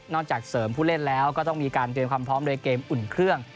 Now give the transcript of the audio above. จากเสริมผู้เล่นแล้วก็ต้องมีการเตรียมความพร้อมโดยเกมอุ่นเครื่อง